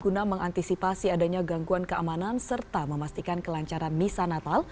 menggunam mengantisipasi adanya gangguan keamanan serta memastikan kelancaran misanatal